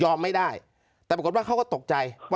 เจ้าหน้าที่แรงงานของไต้หวันบอก